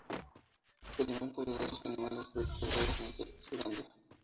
Se alimenta de varios animales vertebrados e insectos grandes.